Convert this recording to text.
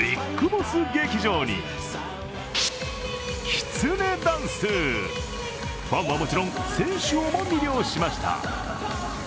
ＢＩＧＢＯＳＳ劇場にきつねダンス、ファンはもちろん、選手をも魅了しました。